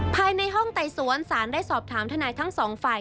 ภายในห้องไต่สวนสารได้สอบถามทนายทั้งสองฝ่าย